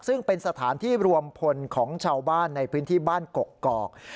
ซึ่งเป็นสถานที่รวมพลของชาวบ้านในพื้นที่บ้านกกอก